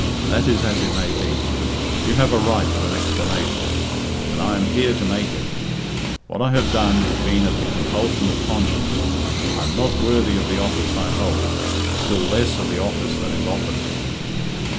That is as it may be. You have a right to an explanation, and I am here to make it. What I have done has been at the compulsion of conscience. I am not worthy of the office I hold, still less of the office that is offered me."